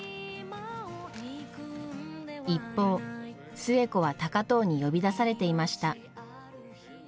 一方寿恵子は高藤に呼び出されていました。